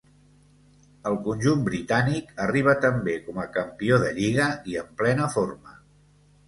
El conjunt britànic arriba també com a campió de lliga i en plena forma.